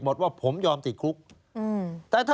หมดว่าผมยอมติดคุก